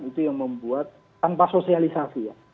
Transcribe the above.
itu yang membuat tanpa sosialisasi ya